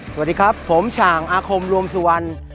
สวัสดีครับผมฉ่างอาคมรวมสุวรรณ